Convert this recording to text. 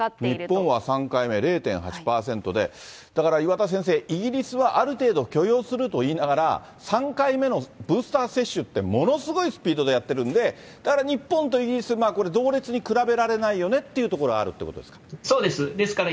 日本は３回目、０．８％で、だから岩田先生、イギリスはある程度許容すると言いながら、３回目のブースター接種って、ものすごいスピードでやってるんで、だから日本とイギリス、これ、同列で比べられないよねっていうところがあるというこそうです。